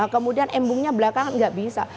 kemudian embungnya belakangan nggak bisa